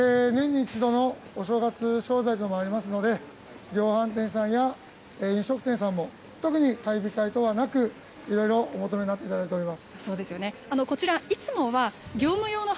年に一度のお正月商材でもありますので、量販店さんや、飲食店さんも、特に買い控え等はなく、いろいろお求めになっていただいています。